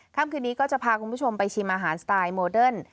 ค่ำคืนนี้ก็จะพาคุณผู้ชมไปชิมอาหารสไตล์โมเดิร์น